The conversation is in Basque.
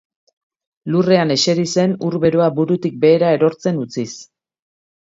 Lurrean ezeri zen ur beroa burutik behera erortzen utziz.